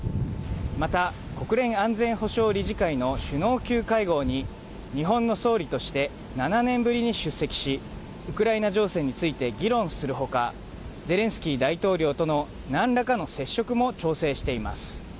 また国連安全保障理事会の首脳級会合に、日本の総理として７年ぶりに出席し、ウクライナ情勢について議論するほか、ゼレンスキー大統領とのなんらかの接触も調整しています。